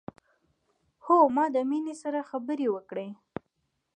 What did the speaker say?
هو ما د مينې سره خبرې وکړې